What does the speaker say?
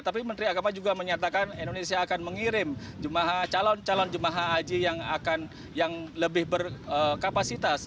tapi menteri agama juga menyatakan indonesia akan mengirim calon calon jemaah haji yang lebih berkapasitas